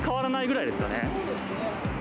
そうですね。